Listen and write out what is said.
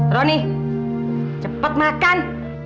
roni cepat makan